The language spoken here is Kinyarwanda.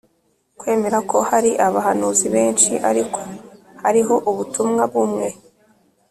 kwemera ko hari abahanuzi benshi ariko ko hariho ubutumwa bumwe